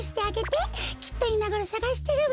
きっといまごろさがしてるわ。